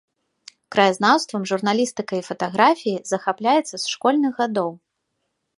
Краязнаўствам, журналістыкай і фатаграфіяй захапляецца з школьных гадоў.